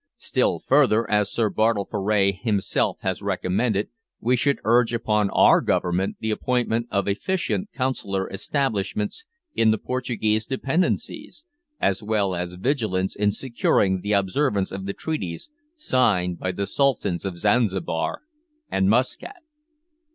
Still further, as Sir Bartle Frere himself has recommended, we should urge upon our Government the appointment of efficient consular establishments in the Portuguese dependencies, as well as vigilance in securing the observance of the treaties signed by the Sultans of Zanzibar and Muscat.